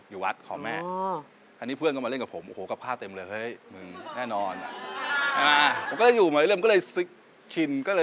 ติดคลองแล้วพาบิทธบาททุกวันผมแบบเด็กอ่ะ